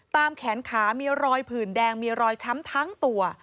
แขนขามีรอยผื่นแดงมีรอยช้ำทั้งตัว